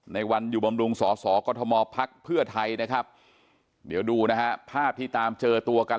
ในวันอยู่บำรุงสสกพไทยนะครับเดี๋ยวดูนะฮะภาพที่ตามเจอตัวกัน